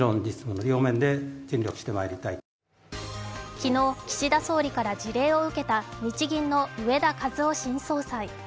昨日、岸田総理から辞令を受けた日銀の植田和男新総裁。